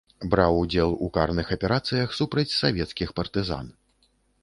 Браў удзел у карных аперацыях супраць савецкіх партызан.